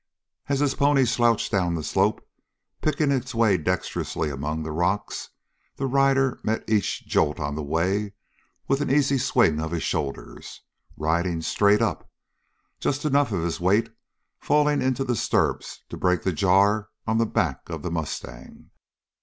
As his pony slouched down the slope, picking its way dexterously among the rocks, the rider met each jolt on the way with an easy swing of his shoulders, riding "straight up," just enough of his weight falling into his stirrups to break the jar on the back of the mustang.